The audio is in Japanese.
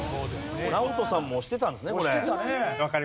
ナオトさんも押してたんですねこれ。